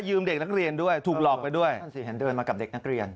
ยืมเด็กนักเรียนด้วยถูกหลอกไปด้วยท่านศรีเห็นด้วยมากับเด็กนักเรียน